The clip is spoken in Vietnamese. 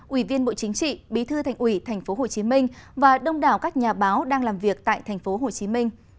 ủy viên bộ chính trị bí thư thành ủy tp hcm và đông đảo các nhà báo đang làm việc tại tp hcm